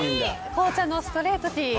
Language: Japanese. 紅茶のストレートティー。